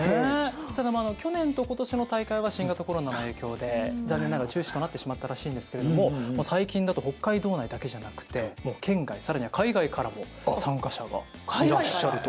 ただまああの去年と今年の大会は新型コロナの影響で残念ながら中止となってしまったらしいんですけれども最近だと北海道内だけじゃなくてもう県外更には海外からも参加者がいらっしゃるという大会。